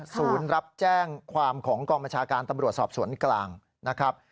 ศูนย์รับแจ้งความของกรมชาการตำรวจสอบสวนกลางนะครับ